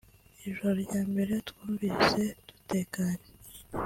Ijoro rya mbere twumvise dutekanye